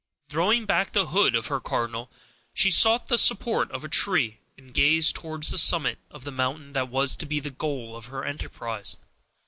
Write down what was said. Throwing back the hood of her cardinal, she sought the support of a tree, and gazed towards the summit of the mountain that was to be the goal of her enterprise.